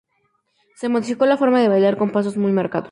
Se modificó la forma de bailar con pasos muy marcados.